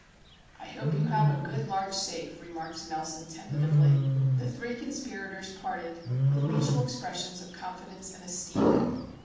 "I hope you have a good large safe," remarked Nelson, tentatively. The three conspirators parted with mutual expressions of confidence and esteem.